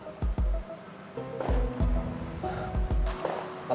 bukan masalah yang berat